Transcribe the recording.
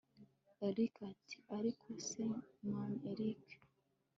erick ati ariko se mn erick